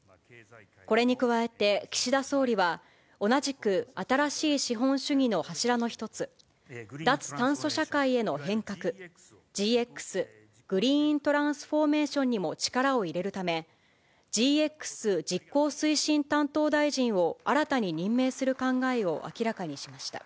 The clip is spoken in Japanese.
これに加えて、岸田総理は同じく新しい資本主義の柱の１つ、脱炭素社会への変革、ＧＸ・グリーントランスフォーメーションにも力を入れるため、ＧＸ実行推進担当大臣を新たに任命する考えを明らかにしました。